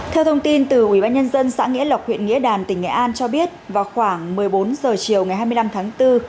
theo thông tin từ ubnd xã nghĩa lộc huyện nghĩa đàn tỉnh nghệ an cho biết vào khoảng một mươi bốn h chiều ngày hai mươi năm tháng bốn